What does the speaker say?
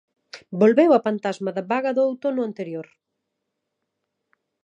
Volveu a pantasma da vaga do outono anterior.